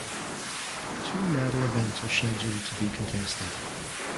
Two medal events are scheduled to be contested.